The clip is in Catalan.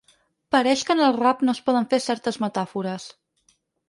Pareix que en el rap no es poden fer certes metàfores.